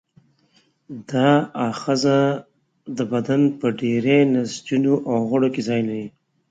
دا آخذه د بدن په ډېری نسجونو او غړو کې ځای لري.